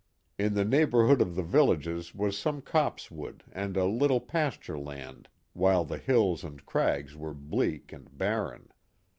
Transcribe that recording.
In the neighborhood of the villages was some copsewood and a little pasture land while the hills and crags were bleak and barren.